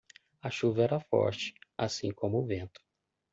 A chuva era forte, assim como o vento.